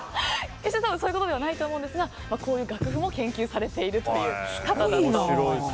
決してそういうことではないと思うんですがこういう楽譜も研究されているという方です。